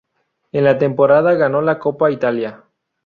En la temporada ganó la Copa Italia.